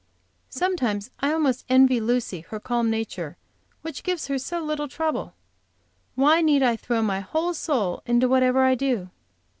Sometimes I almost envy Lucy her calm nature, which gives her so little trouble. Why need I throw my whole soul into whatever I do?